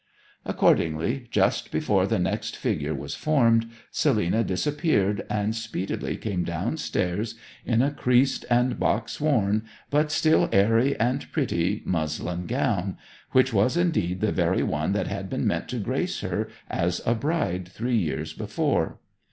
Accordingly, just before the next figure was formed, Selina disappeared, and speedily came downstairs in a creased and box worn, but still airy and pretty, muslin gown, which was indeed the very one that had been meant to grace her as a bride three years before.